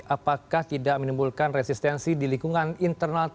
apakah tidak menimbulkan resistensi di lingkungan indonesia